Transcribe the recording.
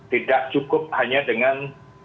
tidak cukup hanya dengan